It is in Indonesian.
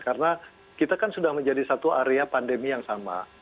karena kita kan sudah menjadi satu area pandemi yang sama